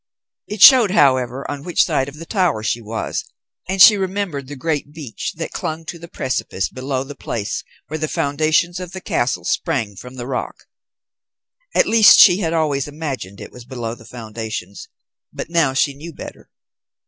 It showed, however, on which side of the tower she was, and she remembered the great beech that clung to the precipice below the place where the foundations of the castle sprang from the rock. At least she had always imagined it was below the foundations, but now she knew better.